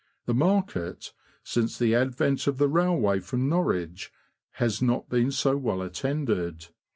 The market, since the advent of the railway from Norwich, has not been so well attended.